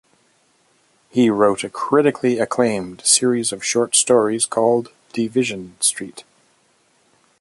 He wrote a critically acclaimed series of short stories called "Division Street".